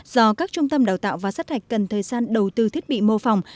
do các trung tâm đào tạo và sát hạch cần thời gian đầu tư thiết bị mô phỏng